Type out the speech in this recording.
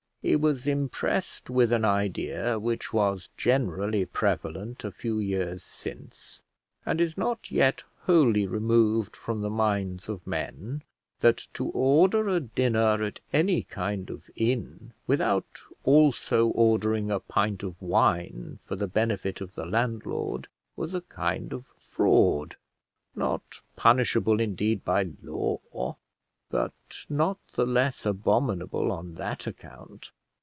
He was impressed with an idea, which was generally prevalent a few years since, and is not yet wholly removed from the minds of men, that to order a dinner at any kind of inn, without also ordering a pint of wine for the benefit of the landlord, was a kind of fraud, not punishable, indeed, by law, but not the less abominable on that account.